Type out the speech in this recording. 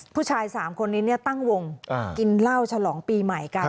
ผู้ชาย๓คนนี้ตั้งวงกินเหล้าฉลองปีใหม่กัน